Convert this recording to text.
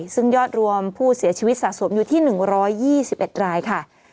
ซึ่งยอดรวมผู้เสียชีวิตสะสมอยู่ที่๑๒๑รายค่ะ